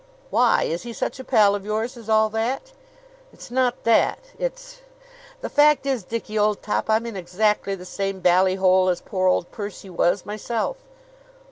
"Why, is he such a pal of yours as all that?" "It's not that. It's the fact is, Dickie, old top, I'm in exactly the same bally hole as poor old Percy was, myself!"